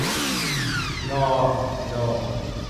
นอ ณอ